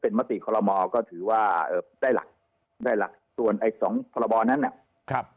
เป็นมติคอลโลมอล์ก็ถือว่าได้หลักส่วนไอ้สองคอลโลมอล์นั้นเนี่ย